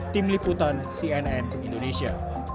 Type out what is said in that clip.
tim liputan cnn indonesia